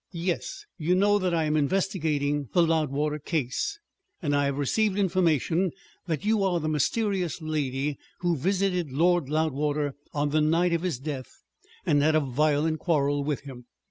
"Yes. You know that I am investigating the Loudwater case, and I have received information that you are the mysterious lady who visited Lord Loudwater on the night of his death and had a violent quarrel with him."